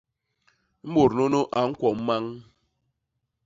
Mut nunu a ñkwo mmañ.